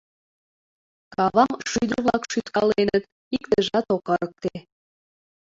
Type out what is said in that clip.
Кавам шӱдыр-влак шӱткаленыт, иктыжат ок ырыкте.